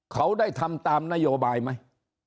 เขาได้ทำตามนโยบายไหม